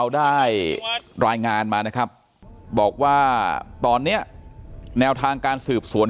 ได้รายงานมานะครับบอกว่าตอนนี้แนวทางการสืบสวน